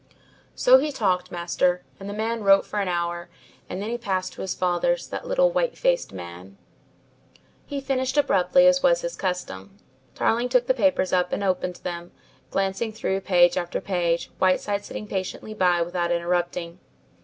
"So he talked, master, and the man wrote for an hour, and then he passed to his fathers, that little white faced man." He finished abruptly as was his custom. Tarling took the papers up and opened them, glanced through page after page, Whiteside sitting patiently by without interrupting.